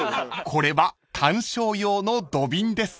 ［これは観賞用の土瓶です］